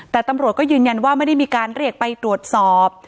แต่ตำรวจก็ยืนยันว่าไม่ได้มีการเรียกไปตรวจสอบ